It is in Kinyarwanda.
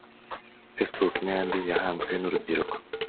Facebook n’ayandi yahanzwe n’urubyiruko